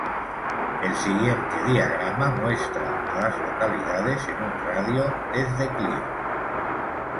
El siguiente diagrama muestra a las localidades en un radio de de Clio.